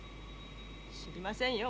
知りませんよ。